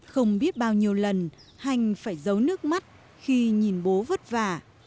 không biết bao nhiêu lần hanh phải giấu nước mắt khi nhìn bố vất vả